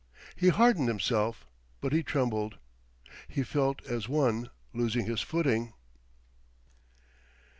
He hardened himself, but he trembled. He felt as one losing his footing.